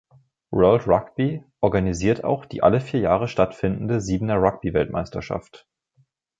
World Rugby organisiert auch die alle vier Jahre stattfindende Siebener-Rugby-Weltmeisterschaft.